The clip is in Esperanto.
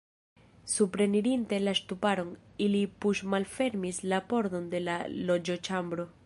Suprenirinte la ŝtuparon, ili puŝmalfermis la pordon de la loĝoĉambro.